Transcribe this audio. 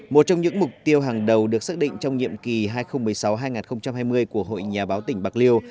một trong những mục tiêu hàng đầu được xác định trong nhiệm kỳ hai nghìn một mươi sáu hai nghìn hai mươi của hội nhà báo tỉnh bạc liêu